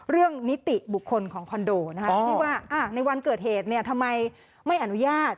เรื่องนิติบุคคลของคอนโดนะคะที่ว่าในวันเกิดเหตุเนี่ยทำไมไม่อนุญาต